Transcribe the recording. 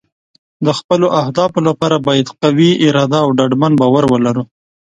د خپلو اهدافو لپاره باید قوي اراده او ډاډمن باور ولرو.